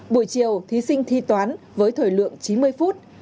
buổi chiều thí sinh thi toán với thời lượng chín mươi phút